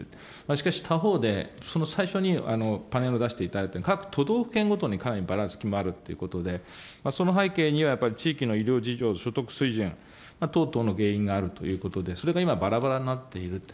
しかし、他方でその最初にパネルを出していただいたように、各都道府県ごとにかなりバランスもあるということで、その背景にはやっぱり地域の医療事情、所得水準等々の原因があるということで、それが今、ばらばらになっていると。